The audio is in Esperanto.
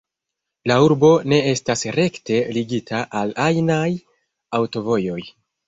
La urbo ne estas rekte ligita al ajnaj aŭtovojoj.